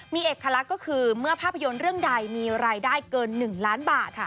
มีเอกลักษณ์ก็คือเมื่อภาพยนตร์เรื่องใดมีรายได้เกิน๑ล้านบาท